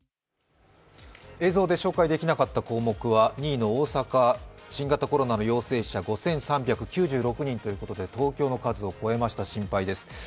映像でお伝えできなかった項目が、２位の大阪、新型コロナの陽性者５３９６人ということで東京の数を超えました、心配です。